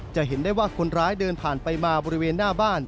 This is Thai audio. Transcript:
จะเห็นได้ว่าคนร้ายเดินผ่านไปมาบริเวณหน้าบ้าน